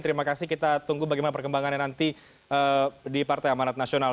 terima kasih kita tunggu bagaimana perkembangannya nanti di partai amanat nasional